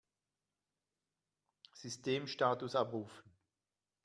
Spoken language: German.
Systemstatus abrufen!